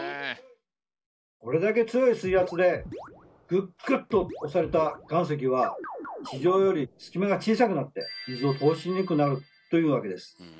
これだけ強い水圧でグッグッと押された岩石は地上より隙間が小さくなって水を通しにくくなるというわけです。